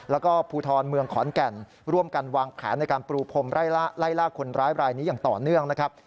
แล้วก็ภูทรเมืองขอนแก่นร่วมกันวางแผนในการปรูพรมไล่ลากคนร้ายรายนี้อย่างต่อเนื่องนะครับ